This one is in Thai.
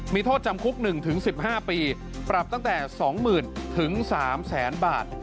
มีโทษจำคุก๑๑๕ปีปรับตั้งแต่๒๐๐๐๓๐๐บาท